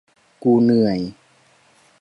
กูเหนื่อย